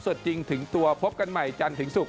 สวดจริงถึงตัวพบกันใหม่จันทร์ถึงสุข